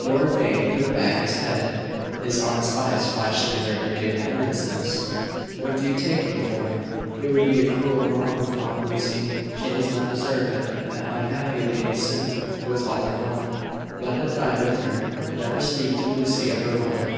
Lord Vane threw back his head, his honest eyes flashing in their indignant earnestness. "What do you take me for?" "It would be a cruel wrong upon Lucy. She does not deserve it. That unhappy lady's sin was all her own; let it die with her. Never speak to Lucy of her mother."